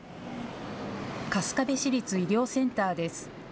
春日部市立医療センターです。